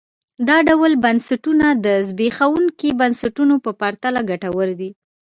دا ډول بنسټونه د زبېښونکو بنسټونو په پرتله ګټور دي.